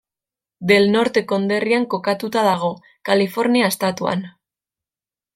Del Norte konderrian kokatuta dago, Kalifornia estatuan.